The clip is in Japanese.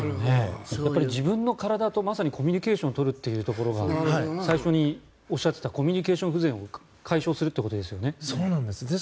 自分の体とまさにコミュニケーションを取るというところが最初におっしゃっていたコミュニケーション不全をそうなんです。